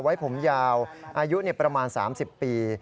ไว้ผมยาวอายุประมาณ๓๐ปี